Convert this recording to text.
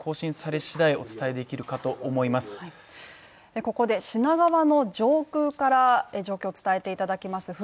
ここで品川の上空から状況伝えていただきます